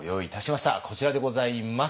こちらでございます。